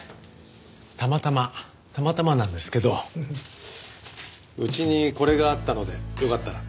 たまたまたまたまなんですけどうちにこれがあったのでよかったら。